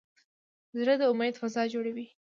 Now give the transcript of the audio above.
زړه د امید فضا جوړوي.